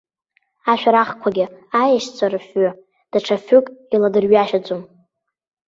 Ашәарахқәагьы аешьцәа рыфҩы, даҽа фҩык иаладырҩашьаӡомызт.